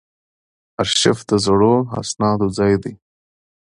ارشیف د زړو اسنادو ځای دی